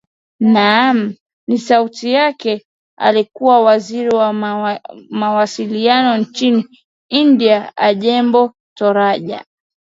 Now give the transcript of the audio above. naam ni sauti yake alikuwa waziri wa mawasiliano nchini india ajemo toraja